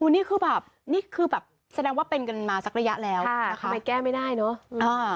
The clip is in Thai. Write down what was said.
นี่คือแบบนี่คือแบบแสดงว่าเป็นกันมาสักระยะแล้วแต่ทำไมแก้ไม่ได้เนอะ